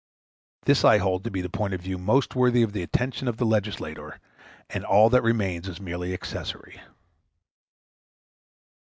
This I hold to be the point of view most worthy of the attention of the legislator, and all that remains is merely accessory.